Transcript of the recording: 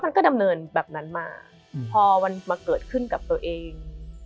มันก็ดำเนินแบบนั้นมาพอมันมาเกิดขึ้นกับตัวเอง